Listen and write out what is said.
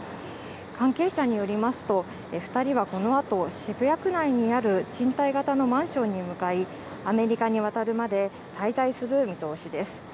関係者によりますと２人はこのあと渋谷区内にある賃貸型のマンションに向かい、アメリカに渡るまで滞在する見通しです。